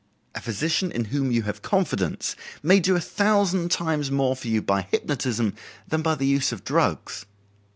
A physician in whom you have confidence may do a thousand times more for you by hypnotism than by the use of drugs.